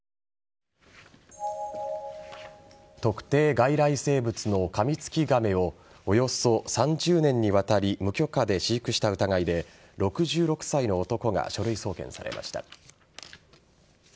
特定外来生物のカミツキガメをおよそ３０年にわたり無許可で飼育した疑いで６６歳の男が書類送検されました。